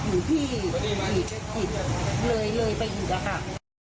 มันไปแทงเขาอีกหรือที่อีกเลยไปอีกแล้วค่ะ